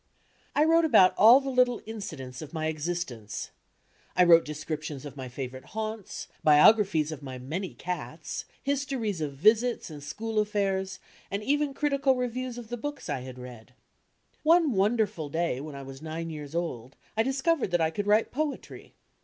I wrote about alt the litde incidents of my existence. I wrote descriptions of my favourite haunts, biographies of my many cats, histories of visits, and D,i„Mb, Google school aflNairs, and even critical reviews of the books I had read. One wonderful day, when I was nine years old, I discov ered that I could write poetry.